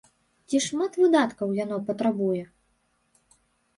Ці шмат выдаткаў яно патрабуе?